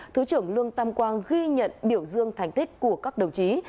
thứ trưởng lương tam quang ghi nhận biểu dương thành tích của các đồng chí